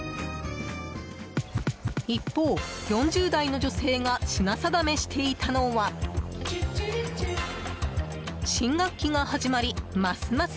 一方、４０代の女性が品定めしていたのは新学期が始まりますます